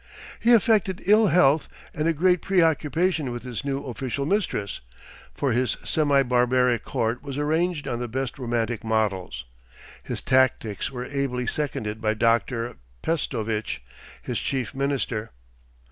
He affected ill health and a great preoccupation with his new official mistress, for his semi barbaric court was arranged on the best romantic models. His tactics were ably seconded by Doctor Pestovitch, his chief minister.